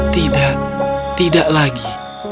tidak tidak lagi